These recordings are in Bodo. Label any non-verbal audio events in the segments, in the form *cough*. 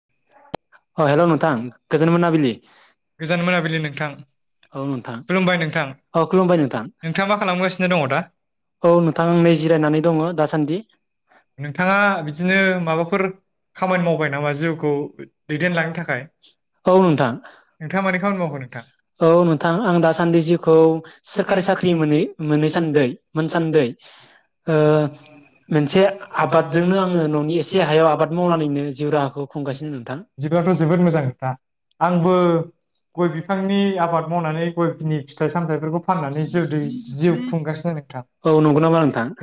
*inaudible* औ हेल नोंथां गोजोन मोनाबिलि औ नोंथां औ खुलुमबाय नोंथां *inaudible* *inaudible* नोंथाङा बिदिनो माबाफोर खामानि मावबाय नामा जिउखौ दैदेनलांनो थाखाय ।नोंथाङा मानि खामानि मावखो नोंथां? मोन सान्दै ओ मोनसे आबादजोंनो आङो न'नि एसे हायाव आबाद मावनानैनो जिउ राहाखौ खुंगासिनो नोंथां । बिदिबाथ जोबोद मोजां खोथा । आंबो गय बिफांनि आबाद मावनानै गयनि फुलि फिथाइ सामथाइफोरखौ फाननानै जिउ दै जिउ खुंगासिनो नोंथां ।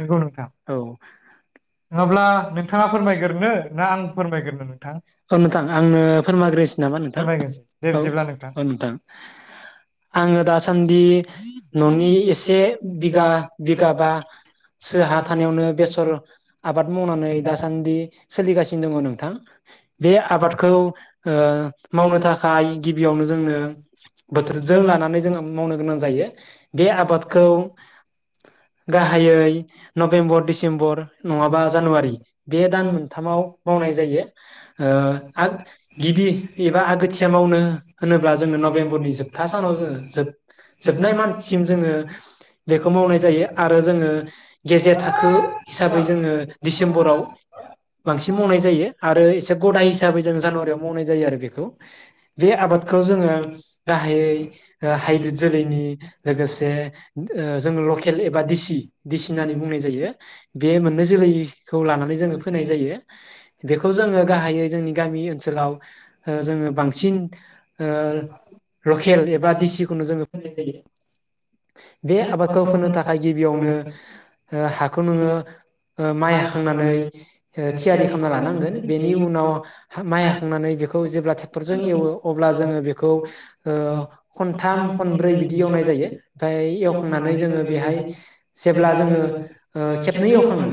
नंगौ नोंथां ।नङाब्ला नोंथाङा फोरमायगोरनो ना आं फोरमायगोरनो नोंथां? फोरमायाग्रोनोसै नामा नोंथां *inaudible* औ औ नोंथां आङो दासान्दि न'नि एसे बिगा बिगाबा सो हा थानायावनो बेसर आबाद मावनानै दासान्दि सोलिगासिनो दङ नोंथां बे आबाद ओ मावनो थाखाय गिबियावनो जोंनो बोथोरजों लानानै जोङो मावनो गोनां जायो बे आबादखौ - गाहायै नबेम्बर डिसेम्बर नङाबा जानुवारि बे दान मोनथामाव मावनाय जायो ।ओ गिबि एबा आगोथिया मावनो होनोब्ला जोङो नभेम्बरनि जोबथा सानाव जोङो जोब जोबनाय मानथसिम जोङो बेखौ मावनाय जायो आरो जोङो गेजेर थाखो हिसाबै जोङो दिसेम्बराव बांसिन मावनाय जायो आरो एसे गदाय हिसाबै। जों जानुवारियाव मावनाय जायो आरो बेखौ । बे आबादखौ जोङो गाहायै ओ हाइब्रिद जोलैनि लोगोसे ओ जों लके एल एबा डिसि डिसि होननानै बुंनाय जायो बे मोननै जोलैखौ लानानै जोङो फोनाय जायो बेखौ जोङो गाहायै जोंनि। गामि ओनसोलाव ओ जोङो बांसिन ओ लकेल एबा दिसिखौनो जोङो बे आबादखौ फोनो थाखाय गिबियावनो हो हाखौ नोङो ओ माइ हाखांनानै हो थियारि खालामना लानांगोन बेनि उनाव माइ हाखांनानै बेखौ जेब्ला ट्रेक्टरजों एवो अब्ला जोङो बेखौ ओ खनथाम खनब्रै बिदि एवनाय जायो। ओमफाय एवखांनानै जोङो बेहाय जेब्ला जोङो ओ खेबनै एवखाङो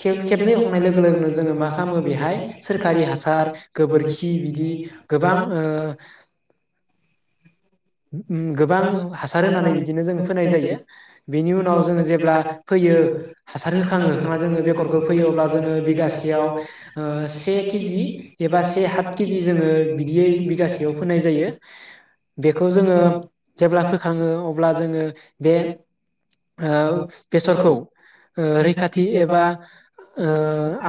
खेब खेबनै एवखांनाय लोगो लोगोनो जोङो मा खालामो बेहाय सोरखारि हासार - हासार गोबोरखि बिदि गोबां ओ- ओ ओम गोबां हासार होनानै जों फोननाय जायो । बेनि उनाव जोङो जेब्ला फैयो हासार होखाङो होखांनानै जोङो बेगरखौ फैयो अब्ला जोङो बिगासेयाव ओ से केजि एबा से हाफ केजि जोङो बिदियै बिगासेयाव फोनाय जायो बेखौ जोङो जेब्ला फोखाङो अब ब्ला जोङो बे ओ बेसरखौ ओ रैखाथि एबा ओ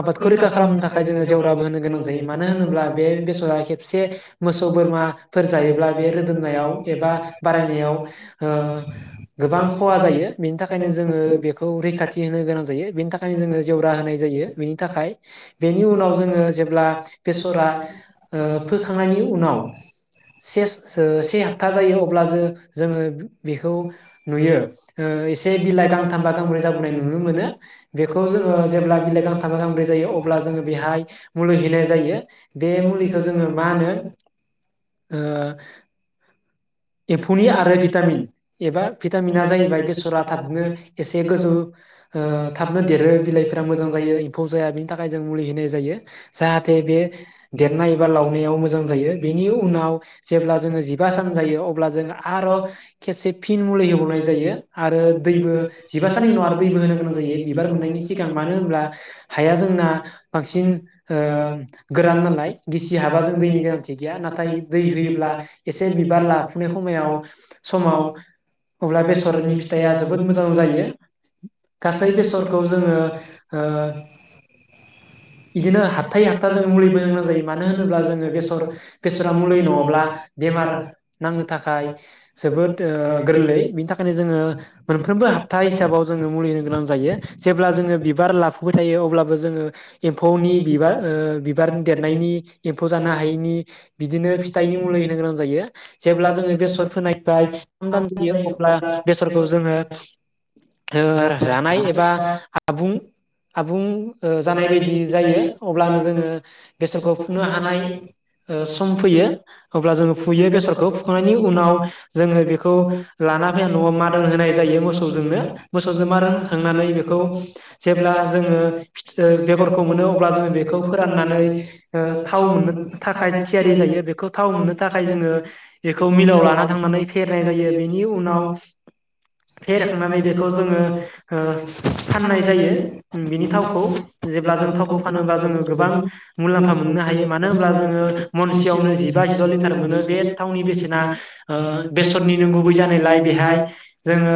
आबादखौ रैखा खालामनो थाखाय जोङो जेवराबो होनो गोनां जायो मानो होनोब्ला बे बेसरा खेबसे मोसौ बोरमा फोर जायोब्ला बे रोदोमनायाव एबा बारायनायाव ओ गोबां खहा जायो। खायनो जोङो बेखौ रैखाथि होनो गोनां जायो । बेनि थाखायनो जोङो जेवरा होनाय जायो । बेनि थाखाय बेनि उनाव जोङो जेब्ला बेसरा ओ फोखांनायनि उनाव सेस ओ से हप्था जायो अब्ला जो जोङो बेखौ नुयो ओ एसे बिलाइ गांथामबा गांब्रै जाबोनाय नुनो मोनो बेखौ जोङो जेब्ला बिलाइ गांथामबा गांब्रै जायो अब्ला जोङो बेहाय मुलि हैनाय जायो बे मुलिखौ जोङो मा होनो ओ एम्फौनि आरो भिटामिन। एबा भिटामिना जाहैबाय बेसरा थाबनो एसे गोजौ ओ-थाबनो देरो बिलाइफोरा मोजां जायो एम्फौ जाया बेनि थाखाय जों मुलि होनाय जायो। जाहाथे बे देरनाय बा लावनायाव मोजां जायो बेनि उनाव जेब्ला जोङो जिबा सान जायो अब्ला जोङो आर खेबसे फिन मुलि होबावनाय जायो । आरो दैबो जिबा साननि उनाव आरो दैबो होनां गोनां जायो बिबार मोननायनि सिगां मानो होनब्ला हाया जोंना बांसिन। ओ गोरान नालाय गिसि हाबाजों दैनि गोनांथि गैया नाथाय दै होयोब्ला एसे बिबार लाफुनाय खमायाव। समाव अब्ला बेसरनि फिथाइया जोबोद मोजां जायो गासै बेसरखौ जोङो ओ बिदिनो हाबथायै हाबथा जोङो मुलि होनो गोनां जायो मानो होनोब्ला जोङो बेसर बेसरा मुलि नङाब्ला बेमार नांनो थाखाय जोबोद गोरलै ओ बिनि थाखायनो जोङो मोनफ्रोमबो हाबथा हिसाबाव जोङो मुलि होनो गोनां जायो जेब्ला जोङो बिबार लाफुबाय थायो अब्ला जोङो एम्फौनि बिबार ओ बिबार देरनायनि एम्फौ जानो हायैनि बिदिनो फिथाइनि मुलि होनो गोनां जायो जेब्ला जोङो बेसर फोनाय *unintelligible* अब्ला बेसरखौ जोङो ओ रानाय एबा आबुं बुं जानाय बायदि जायो अब्लानो जोङो बेसरखौ फुनो हानाय सम फैयो अब्ला जोङो फुयो बेसरखौ फुखांनायनि उनाव जोङो बेखौ लाना फैया नआव मारोन होनाय जायो मोसौजोंनो मोसौजों मारोन होखांनानै बेखौ जेब्ला जों ओ फिथ बेगरखौ मोनो अब्ला जोङो बेखौ फोराननानै ओ थाव मोननो थाखाय थियारि जायो बेखौ थाव मोननो थाखाय जोङो बेखौ मिलाव लाना थांनानै फेरनाय जायो बेनि उनाव फेरखांनानै बेखौ जोङो ओ फाननाय जायो। बिनि थावखौ जेब्ला जों थावखौ फानोब्ला जोङो गोबां मुलाम्फा मोननो हायो मानो होनोब्ला जोङो मनसेयावनो जिबा जिद लिटार मोनो बे थावनि बेसेना ओ बेसरनिनो गुबै जानायलाय बेहाय जोङो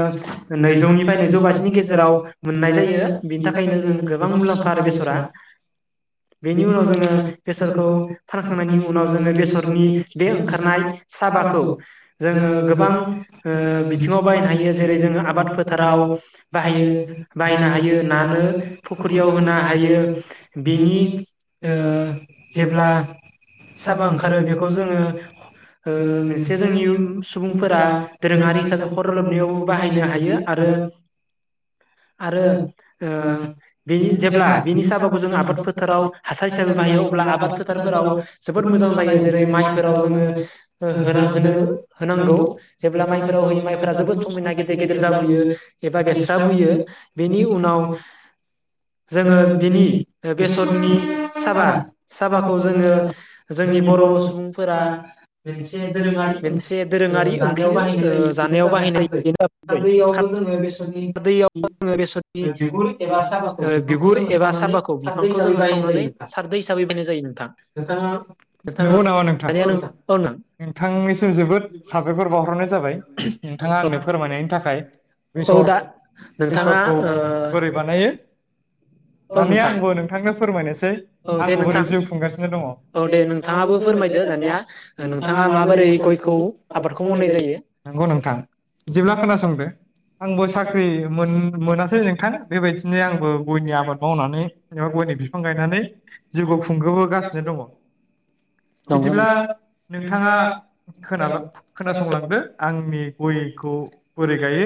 नैजौनिफ्राय नैजौ बाजिनि गेजेराव मोननाय जायो। थाखायनो जों गोबां मुलाम्फा बेसरा बेनि उनाव जोङो बेसरखौ फानखांनायनि उनाव जोङो बेसरनि बे ओंखारनाय साबाखौ जोङो गोबां ओ बिथिङाव बाहायनो हायो जेरै जोङो आबाद फोथाराव बाहायो बाहायनो हायो। जेरै नानो फुख्रियाव ना हायो बिनि ओ जेब्ला साबा ओंखारो बेखौ जोङो सुबुंफोरा दोरोङारि हिसाबै खर लोबनायावबो बाहायनो हायो आरो आरो ओ बिनि जेब्ला बिनि साबाखौ जों आबाद फोथाराव हासार हिसाबै बाहायो अब्ला आबाद फोथारफोराव जोबोद मोजां जायो जेरै माइफोराव जोङो होना होनो होनांगौ जेब्ला माइफोराव होयो माइफोरा जोबोद समायना गेदेर गेदेर जाबोयो एबा बेस्राबोयो बेनि उन जोङो बेनि बेसरनि साबा साबाखौ जोङो जोंनि बर सुबुंफोरा मोनसे दोरोङारि ओ जानायाव बाहायनाय जायो बेनो जाबाय खारदै खारदैयावबो जोङो बिसोरनि ओ बिगुर एबा साबाखौ बिफांखौ जोङो सावनानै सारदै हिसाबै बायनाय जायो नोंथां नोंथाङा दानिया नों औ नों औ दा नोंथाङा ओ बोरै बानायो दानिया आंबो नोंथांनो फोरमायनोसै आंबो बोरै जिउ खुंगासिनो दङ औ दे नोंथाङाबो फोरमायदो दानिया नोंगौ नोंथां बिदिब्ला खोनासंदो आंबो साख्रि मोन मोनासै नोंथां बेबायदिनो आंबो गयनि आबाद मावनानै एबा गयनि बिफां गायनानै जिउखौ खुंगो बोगासिनो दङ बिदिब्ला नोंथाङा खोनाल-खोनासंलांदो आंनि गयखौ बोरै गायो।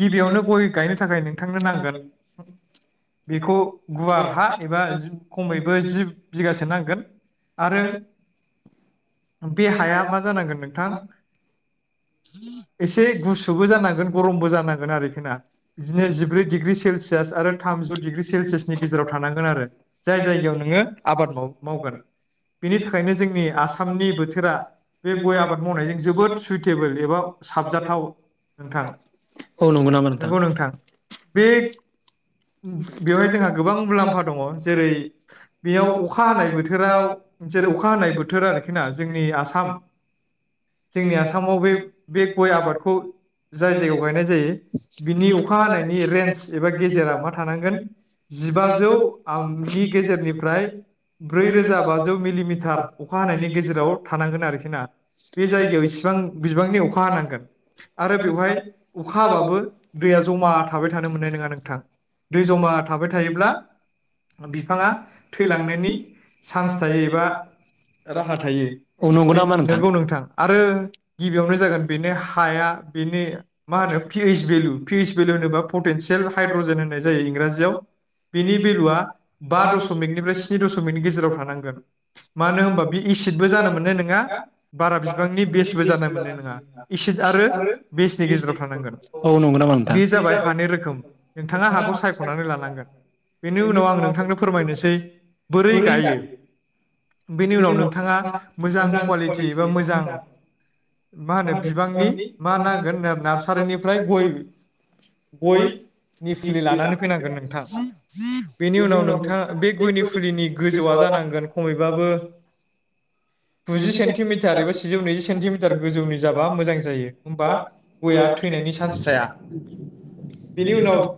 गिबियावनो गय गायनो थाखाय नोंथांनो नांगोन बेखौ गुवार हा एबा जि खमैबो जि बिगासो नांगोन। आरो बे हाया मा जानांगोन नोंथां एसे गुसुबो जानांगोन गरमबो जानांगोन आरो खोना। बिदिनो जिब्रै डिग्रि सेलसियास आरो थामजिद डिग्रि सेलसियासनि गेजेराव थानांगोन आरो जाय जायगायाव नोङो आबाद माव मावगोन। बेनि थाखायनो जोंनि आसामनि बोथोरा बे गय आबाद मावनायजों जोबोद सुइटेबोल एबा औ नंगौ नामा? नोंगौ नोंथां बे बेवहाय जोंहा गोबां मुलाम्फा दङ जेरै बेयाव अखा हानाय बोथोराव जेरै अखा हानाय बोथोर आरोखि ना जोंनि आसाम जोंनि आसामाव बे बे गय आबादखौ जाय जायगायाव गायनाय जायो बिनि अखा हानायनि रेन्ज एबा गेजेरा मा थानांगोन जिबाजौ आंनि गेजेरनिफ्राय ब्रै रोजा बाजौ मिलिमिटार अखा हानायनि गेजेराव थानांगोन आरोखि ना। बे जायगायाव इसिबां बिबांनि अखा खा हानांगोन। आरो बेवहाय अखा हाबाबो दैया जमा थाबाय थानो मोननाय नोङा नोंथां दै जमा थाबाय थायोब्ला बिफाङा थैलांनायनि चान्स थायो एबा राहा थायो नोंगौ नोंथां आरो गिबियावनो जागोन बे हाया बेनि मा होनो फिइस भेलु फिइस भेलु होनोबा पटेनसियेल हाइड्रजेन होननाय जायो इंराजियाव बिनि भेलुआ बा दशमिकनिफ्राय स्नि दसमिकनि गेजेराव थानांगोन मानो होनबा बे एसिडबो जानो मोननाय नोङा बारा बिबांनि बेसबो जानो मोननाय नोङा। इसिद आरो बेसनि गेजेराव थानांगोन औ नोंगौ नामा बे जाबाय हानि रोखोम नोंथाङा हाखौ सायखनानै लानांगोन बेनि उनाव आं नोंथांनो फोरमायनोसै बोरै गायो बेनि उनाव नोंथाङा मोजां कुवालिटि बा मोजां। मा होनो बिबांनि मा नांगोन नारसारिनिफ्राय गय गय नि फुलि लानानै फैनांगोन नोंथां बेनि उनाव नोंथाङा बे गयनि फुलिनि गोजौआ जानांगोन खमैबाबो गुजि सेन्टिमिटार एबा सेजौ नैजि सेन्टिमिटार। गोजौनि जाबा मोजां जायो होमबा गया थैनायनि चान्स थाया। बेनि उनाव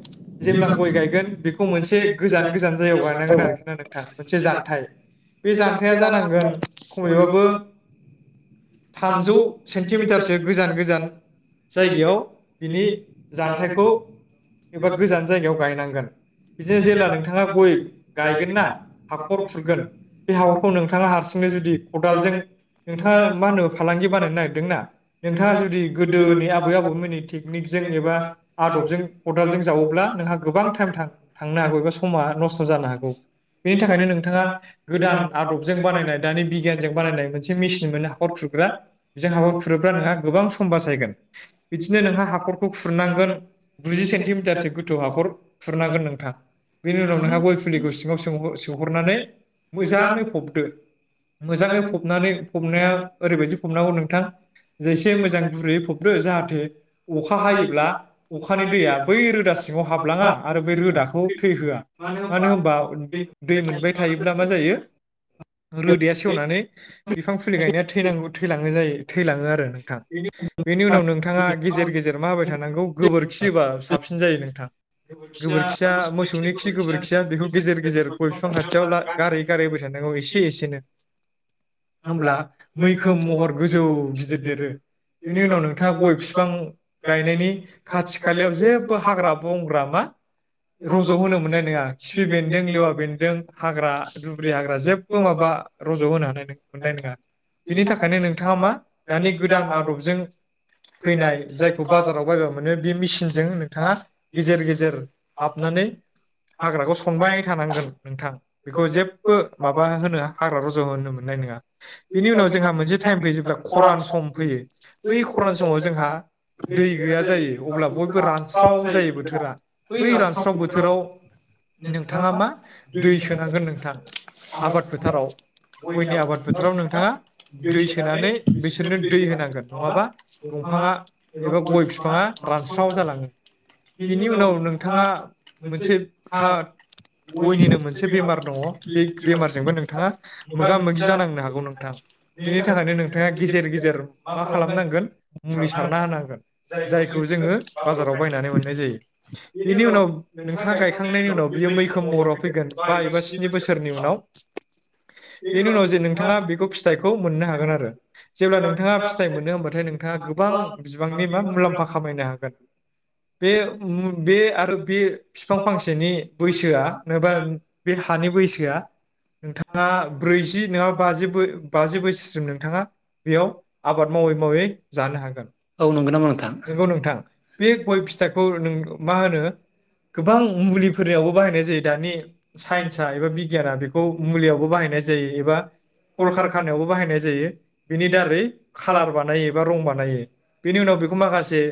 जेब्ला गय गायगोन बेखौ मोनसे गोजान गोजान जायगायाव गायनांगोन आरोखि ना नोंथां मोनसे जान्थाय। बे जान्थाया जानांगोन खमैबाबो था थामजौ सेन्टिमिटारसो गोजान गोजान जायगायाव बिनि जान्थायखौ एबा गोजान जायगायाव गायनांगोन। बिदिनो जेब्ला नोंथाङा गय गायगोन ना हाखर खुरगोन बे हाखरखौ नोंथाङा हारसिंनो जुदि खदालजों नोंथाङा मा होनो फा बानायनो नागिरदोंनाा नोंथाङा जुदि गोदोनि आबै आबौमोननि टेकनिक जों एबा आदबजों खदाल जों जावोब्ला नोंहा गोबां थाइम थां थांनो हागौ एबा समा नस्थ जानो हागौ। बेनि थाखायनो नोंथाङा गोदान आदबजों बानायनाय दानि बिगियानजों बानायनाय मोनसे मेचिन मोननो हाखर खुर बेजों हाखर खुरोब्रा नोंहा गोबां सम बासायगोन। बिदिनो नोंहा हाखर खुरनांगोन गुजि सेन्टिमिटारसो गोथौ हाखर खुरनांगोन नोंथां। बेनि उनाव नोंहा गय फुलिखौ सिङाव सोंहरनानै मोजाङै फबदो मोजाङै फबनानै फबनाया फबनांगौ नोंथां जेसे मोजां गुरैयै फबदो जाहाथे अखा अखा हायोब्ला अखनि दैया बै रोदा सिङाव हाबलाङा आरो बै रोदाखौ थै होआ मानो हबा दै मोनबाय थायोब्ला मा जायो रोदाया सेवनानै बिफां फुलि गायनाया थैलाङो जायों थैलाङो आरो नोंथां बेनि उनाव नोंथाङा गेजेर गेजेर मा होबाय थानांगौ गोबोरखि होबा साबसिन जायो नोंथां गोबोरखिया मोसौनि खि गोबोरखिया बेखौ गेजेर गेजेर गय बिफां खाथियाव गारै गारै होबाय थानांगौ एसे एसेनो । होमब्ला मैखोम महर गोजौ गिदिर देरो बिनि उनाव नोंथाङा गय बिफां गायनायनि खाथि खालायाव जेबो हाग्रा बंग्रा मा रज होनो मोननाय नङा खिफि बेन्दों लेवा बेन्दों हाग्रा दुब्रि हाग्रा जेबो माबा रज होनो हानाय नङा । मोननाय नङा बिनि थाखायनो नोंथाङा मा दानि गोदान आदबजों फैनाय जाय बाजाराव बायग्रा मोनो बे मेसिनजों नोंथाङा गेजेर गेजेर हाबनानै हाग्राखौ सनबाय थानांगोन नोंथां बेखौ जेबो माबा होनो हाग्रा रज' होनो मोननाय नङा । बिनि उनाव जोंहा मोनसे टाइम फैयो जेब्ला खरान सम फैयो बै खरान समाव जोंहा दै गैया जायो अब्ला बयबो रानस्राव जायो बोथोरा बै रानस्राव बोथोराव नोंथाङा मा दै सोनांगोन नोंथां आबाद फोथाराव गयनि आबाद फोथ बोथाराव नोंथाङा दै सोनानै बिसोरनो दै होनांगोन नङाबा दंफाङा एबा गय बिफाङा रानस्राव जालाङो बेनि उनाव नोंथाङा मोनसे था गयनिनो मोनसे बेमार दङ बे बेमारजोंबो नोंथाङा मोगा मोगि जानाङो । होनो हागौ नोंथां बेनि थाखायनो नोंथाङा गेजेर गेजेर मा खालामनांगोन मुलि सारना होनांगोन । जायखौ जोङो बाजाराव बायनानै मोननाय जायो बेनि उनाव नोंथाङा गायखांनायनि उनाव बियो मैखोम महराव फैगोन बा एबा स्नि बोसोरनि उनाव बेनि उनाव जे नोंथाङा फिथाइखौ मोननो हागोन आरो जेब्ला नोंथाङा फिथाइ मोनो होनबाथाय नोंथाङा गोबां बिबांनि मा मुलाम्पा खामायनो हागोन । बे मु बे आरो बे फिफां फांसेनि बैसोआ बे हानि बैसोआ, नोंथाङा ब्रैजि नङाबा बाजि बाजि बैसोसिम नोंथाङा बेयाव आबाद मावै मावै जानो हागोन । नंगौ नोंथां बे गय फिथाइखौ नों मा होनो गोबां मुलिफोरनियावबो बाहायनाय जायो दानि साइन्सा एबा बिगियाना बेखौ मुलियावबो बाहायनाय जायो एबा कल कारखानायावबो बाहायनाय जायो बिनि दारै खालार बानायो एबा रं बानायो । बेनि उनाव बेखौ माखासे